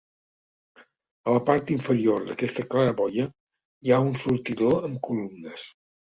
A la part inferior d'aquesta claraboia hi ha un sortidor amb columnes.